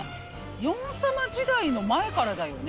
ヨン様時代の前からだよね。